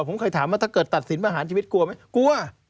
ผมเคยถามว่าถ้าเกิดตัดสินประหารชีวิตกลัวไหมกลัว